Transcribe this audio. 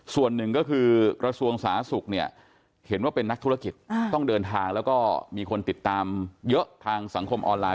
ส่วนหนึ่งก็คือกระทรวงสาธารณสุขเนี่ยเห็นว่าเป็นนักธุรกิจต้องเดินทางแล้วก็มีคนติดตามเยอะทางสังคมออนไลน